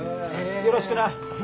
よろしくな！